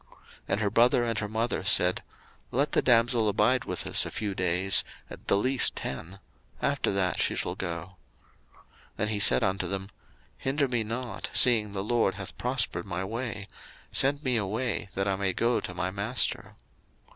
01:024:055 And her brother and her mother said, Let the damsel abide with us a few days, at the least ten; after that she shall go. 01:024:056 And he said unto them, Hinder me not, seeing the LORD hath prospered my way; send me away that I may go to my master.